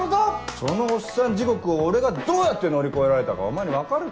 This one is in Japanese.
そのおっさん地獄を俺がどうやって乗り越えられたかお前に分かるか？